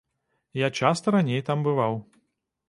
Я часта раней там бываў.